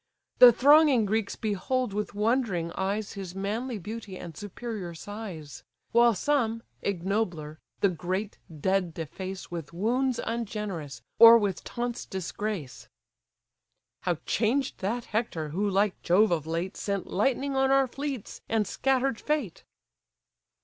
The thronging Greeks behold with wondering eyes His manly beauty and superior size; While some, ignobler, the great dead deface With wounds ungenerous, or with taunts disgrace: "How changed that Hector, who like Jove of late Sent lightning on our fleets, and scatter'd fate!"